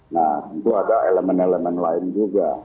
nah tentu ada elemen elemen lain juga